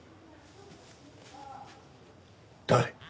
誰？